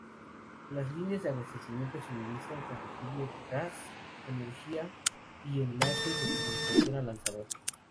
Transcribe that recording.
Las líneas de abastecimiento suministran combustible, gas, energía y enlaces de comunicación al lanzador.